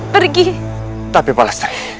pergi tapi pak lestri